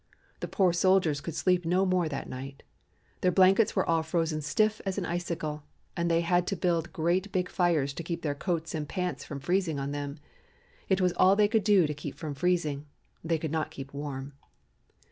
The poor soldiers could sleep no more that night, their blankets were all frozen stiff as an icicle, and they had to build great big fires to keep their coats and pants from freezing on them. It was all they could do to keep from freezing; they could not keep warm.